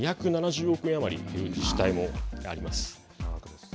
２７０億円余りという自治体もあります。